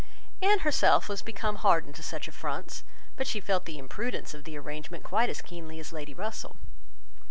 Anne herself was become hardened to such affronts; but she felt the imprudence of the arrangement quite as keenly as Lady Russell.